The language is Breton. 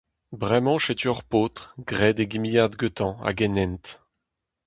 Bremañ setu hor paotr, graet e gimiad gantañ hag en hent.